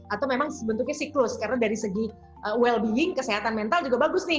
atau memang bentuknya siklus karena dari segi well being kesehatan mental juga bagus nih